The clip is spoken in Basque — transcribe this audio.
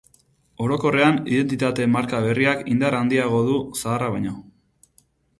Orokorrean, identitate marka berriak indar handiago du zaharrak baino.